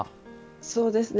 そうですね。